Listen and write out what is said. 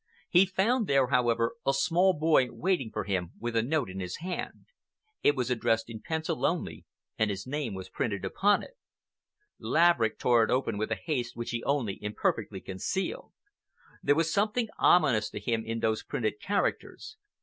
He found there, however, a small boy waiting for him with a note in his hand. It was addressed in pencil only, and his name was printed upon it. Laverick tore it open with a haste which he only imperfectly concealed. There was something ominous to him in those printed characters.